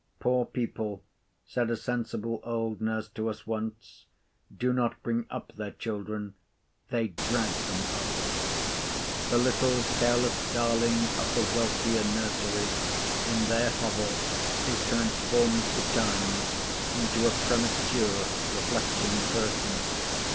Poor people, said a sensible old nurse to us once, do not bring up their children; they drag them up. The little careless darling of the wealthier nursery, in their hovel is transformed betimes into a premature reflecting person.